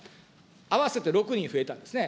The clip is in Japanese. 合わせて６人増えたんですね。